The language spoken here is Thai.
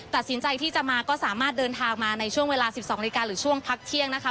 ตัดสินใจที่จะมาก็สามารถเดินทางมาในช่วงเวลา๑๒นาฬิกาหรือช่วงพักเที่ยงนะคะ